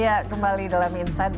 ya kembali dalam insight